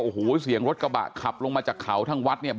โอ้โหเสียงรถกระบะขับลงมาจากเขาทางวัดเนี่ย